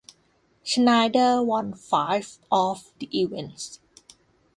Schneider won five of the events.